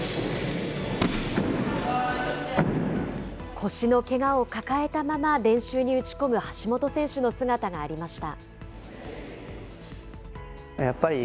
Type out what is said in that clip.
腰のけがを抱えたまま練習に打ち込む橋本選手の姿がありました。